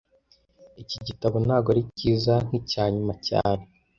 Iki gitabo ntago ari cyiza nkicyanyuma cyane